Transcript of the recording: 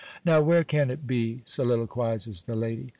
"Now, where can it be?" soliloquizes the lady.